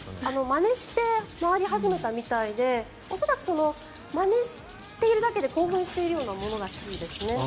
まねして回り始めたみたいで恐らく、まねしているだけで興奮しているようなものらしいですね。